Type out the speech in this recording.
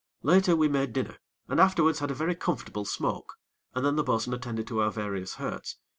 Later, we made dinner, and afterwards had a very comfortable smoke, and then the bo'sun attended to our various hurts.